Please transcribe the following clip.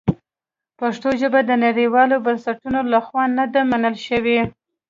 پښتو ژبه د نړیوالو بنسټونو لخوا نه ده منل شوې.